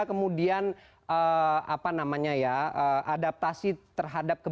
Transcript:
kemudian apa namanya ya adaptasi terhadap